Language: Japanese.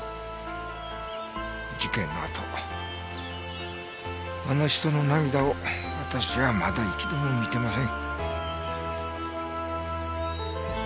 事件のあとあの人の涙を私はまだ一度も見てません。